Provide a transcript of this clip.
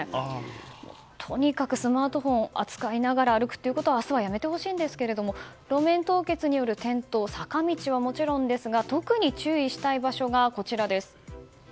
とにかくスマートフォンを扱いながら歩くということは明日はやめてほしいんですが路面凍結による転倒坂道はもちろんですが特に注意したい場所がこちらです。